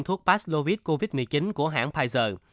thuốc paxlovit covid một mươi chín của hãng pfizer